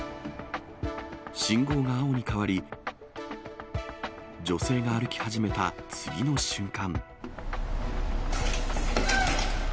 信号が青に変わり、女性が歩き始めた次の瞬間。